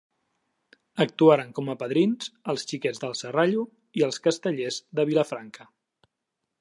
Actuaren com a padrins els Xiquets del Serrallo i els Castellers de Vilafranca.